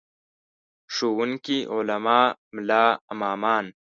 ښوونکي، علما، ملا امامان.